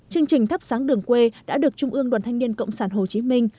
chương trình thắp sáng đường quê đã được trung ương đoàn thanh niên cộng sản hồ chí minh